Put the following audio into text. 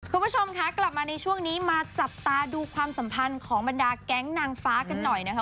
คุณผู้ชมคะกลับมาในช่วงนี้มาจับตาดูความสัมพันธ์ของบรรดาแก๊งนางฟ้ากันหน่อยนะคะ